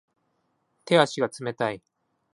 手足が冷たい